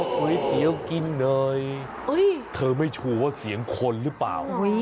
ก๋วยเตี๋ยวกินหน่อยเธอไม่ชูว่าเสียงคนหรือเปล่า